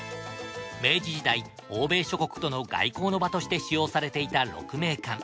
明治時代欧米諸国との外交の場として使用されていた鹿鳴館。